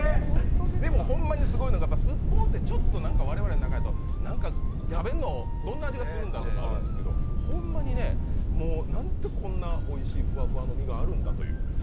でもホンマにすごいのがすっぽんって我々の中だとどんな味がするんだろうとかあるんですけどほんまにね、なんてこんなおいしいふわふわの身があるんだと。